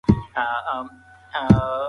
شعر لوستونکی ته درس ورکوي.